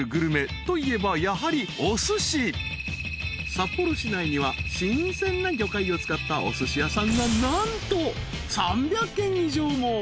［札幌市内には新鮮な魚介を使ったおすし屋さんが何と３００軒以上も］